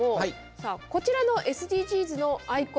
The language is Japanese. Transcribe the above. さあこちらのＳＤＧｓのアイコン